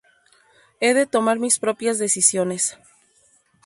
He de tomar mis propias decisiones.